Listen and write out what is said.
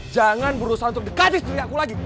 jangan berusaha untuk dekati istri aku lagi